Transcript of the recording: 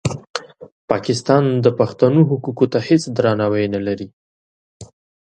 پاکستان د پښتنو حقوقو ته هېڅ درناوی نه لري.